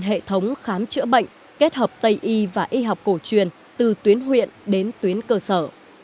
hệ thống khám chữa bệnh kết hợp tây y và y học cổ truyền từ tuyến huyện đến tuyến cơ sở